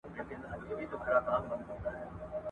تدبیر وتړي بارونه ځي د وړاندي !.